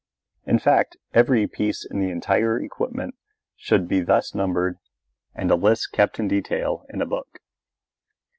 In fact, every piece in the entire equipment should be thus numbered and a list kept in detail in a book.